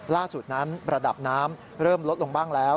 ล่าสุดนั้นระดับน้ำเริ่มลดลงบ้างแล้ว